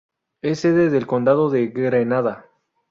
Es sede del condado de Grenada.